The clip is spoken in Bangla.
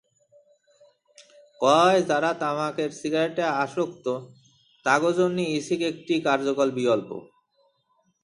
বলা হয়, যাঁরা তামাকের সিগারেটে আসক্ত, তাঁদের জন্য ই-সিগ একটি কার্যকর বিকল্প।